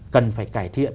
cần phải cải thiện